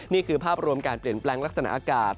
นี่คือภาพรวมการเปลี่ยนแปลงลักษณะอากาศ